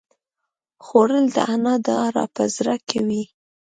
خوړل د انا دعا راپه زړه کوي